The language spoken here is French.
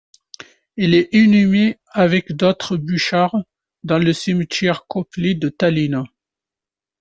Il est inhumé avec d'autres Burchard dans le Cimetière Kopli de Tallinn.